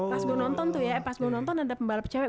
pas gue nonton tuh ya pas gue nonton ada pembalap cewek